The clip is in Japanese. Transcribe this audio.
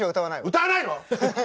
歌わないの！？